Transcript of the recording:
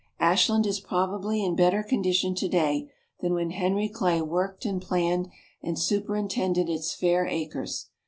Ashland is probably in better condition today than when Henry Clay worked and planned, and superintended its fair acres.